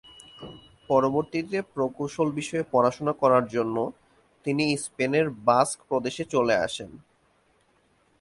পরবর্তীতে প্রকৌশল বিষয়ে পড়াশোনা করার জন্য তিনি স্পেনের বাস্ক প্রদেশে চলে আসেন।